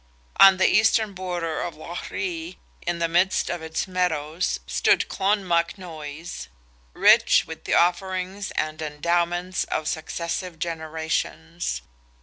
On the eastern border of Lough Ree, in the midst of its meadows, stood Clonmacnoise, rich with the offerings and endowments of successive generations.